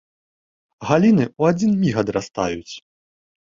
Галіны ў адзін міг адрастаюць.